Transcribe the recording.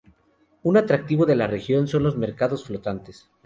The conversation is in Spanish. Un atractivo de la región son los mercados flotantes.